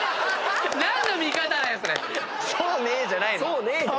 「そうね」じゃないのよ。